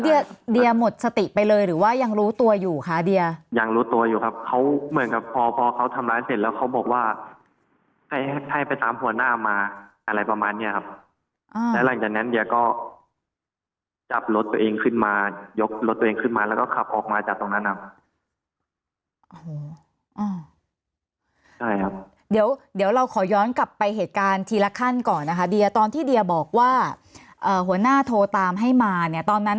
แล้วเดี๋ยวหมดสติไปเลยหรือว่ายังรู้ตัวอยู่คะเดี๋ยวยังรู้ตัวอยู่ครับเขาเหมือนกับพอพอเขาทำร้ายเสร็จแล้วเขาบอกว่าให้ไปตามหัวหน้ามาอะไรประมาณเนี่ยครับอ่าแล้วหลังจากนั้นเดี๋ยวก็จับรถตัวเองขึ้นมายกรถตัวเองขึ้นมาแล้วก็ขับออกมาจากตรงนั้นครับอ่าโหอ่าใช่ครับเดี๋ยวเดี๋ยวเราขอย้อนกลับไปเหตุการ